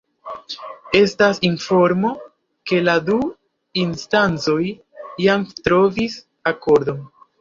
Estas informo, ke la du instancoj jam trovis akordon.